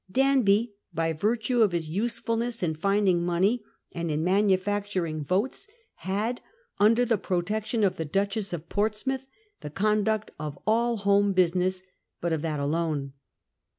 Danby, by virtue of his usefulness in finding money and in manufacturing votes had, under the protection of the Duchess of Portsmouth, the conduct of all home business, but of that alone.